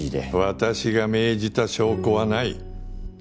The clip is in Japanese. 私が命じた証拠はない。